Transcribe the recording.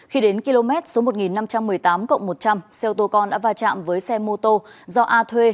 khi đến km số một nghìn năm trăm một mươi tám cộng một trăm linh xe ô tô con đã va chạm với xe mô tô do a thuê